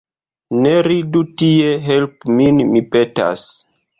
Ne ridu tie, helpu min, mi petas!